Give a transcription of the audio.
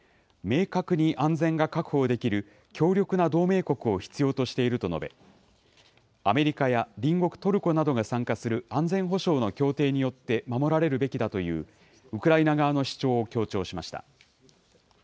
明確に安全が確保できる強力な同盟国を必要としていると述べ、アメリカや隣国トルコなどが参加する安全保障の協定によって守られるべきだというウクライナ側の主張を強調しました。